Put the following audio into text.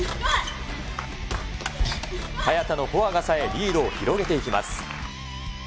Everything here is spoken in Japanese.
早田のフォアがさえ、リードを広げていきます。